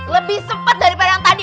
lebih cepat daripada yang tadi